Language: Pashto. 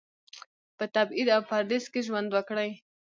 په تبعید او پردیس کې ژوند وکړي.